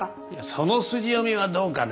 その筋読みはどうかな。